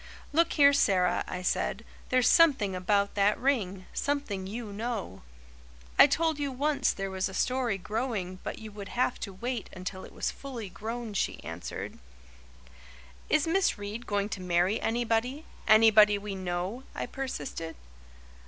"Look here, Sara," I said, "there's something about that ring something you know." "I told you once there was a story growing but you would have to wait until it was fully grown," she answered. "Is Miss Reade going to marry anybody anybody we know?" I persisted.